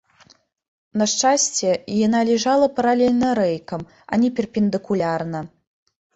На шчасце, яна ляжала паралельна рэйкам, а не перпендыкулярна.